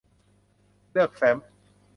เลือกแฟ้ม